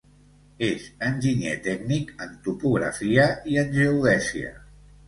És enginyer tècnic en topografia i en geodèsia.